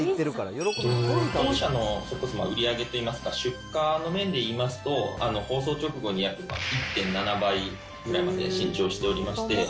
当社の売り上げといいますか、出荷の面で言いますと、放送直後に約１．７倍ぐらいまで伸長しておりまして。